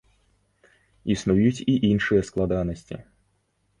Існуюць і іншыя складанасці.